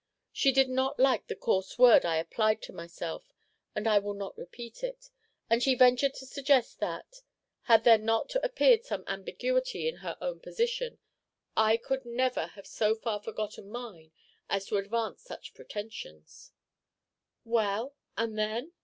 She did not like the coarse word I applied to myself, and I will not repeat it; and she ventured to suggest that, had there not appeared some ambiguity in her own position, I could never have so far forgotten mine as to advance such pretensions " "Well, and then?"